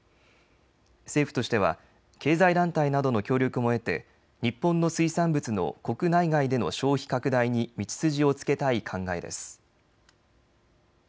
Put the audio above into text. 政府としては経済団体などの協力も得て日本の水産物の国内外での消費拡大に道筋をつけたい考えです。